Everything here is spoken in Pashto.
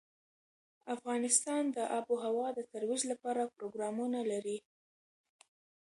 افغانستان د آب وهوا د ترویج لپاره پروګرامونه لري.